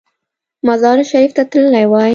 مزار شریف ته تللی وای.